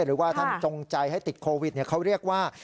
หรือว่าท่านจงใจให้ติดโควิดเขาเรียกว่า